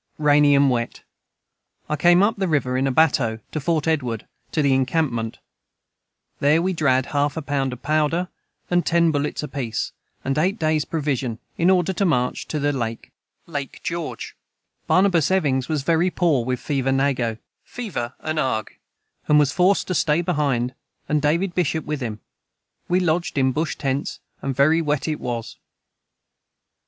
Rainy and wet I come up the River in a Battoe to Fort Edward to the incampment their we drad 1/2 a pound of powder and 10 Bullets a peace and 8 days provision in order for to march to the Lake Barnabas Evings was very poor with fever nago and was forst to stay behind & David Bishop with him we Lodged in Bush tents and very wet it was.